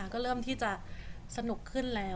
ก็เริ่มที่จะสนุกขึ้นแล้ว